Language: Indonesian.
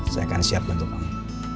saya akan siap bantu kamu